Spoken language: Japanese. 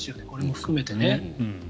これも含めてね。